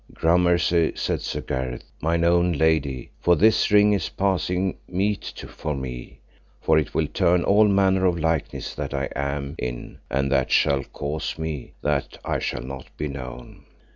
Gramercy, said Sir Gareth, mine own lady, for this ring is passing meet for me, for it will turn all manner of likeness that I am in, and that shall cause me that I shall not be known.